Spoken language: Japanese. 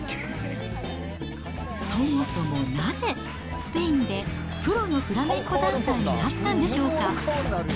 そもそもなぜスペインでプロのフラメンコダンサーになったんでしょうか。